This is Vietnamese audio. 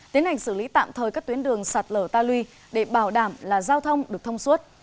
tiến hành xử lý tạm thời các tuyến đường sạt lở ta luy để bảo đảm là giao thông được thông suốt